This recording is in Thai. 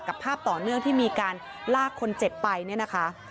ภาพต่อเนื่องที่มีการลากคนเจ็บไปเนี่ยนะคะ